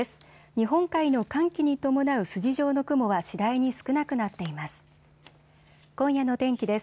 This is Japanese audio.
日本海の寒気に伴う筋状の雲は次第に少なくなっています。